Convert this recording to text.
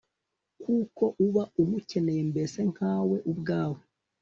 kuko uba umukeneye mbese nkawe ubwawe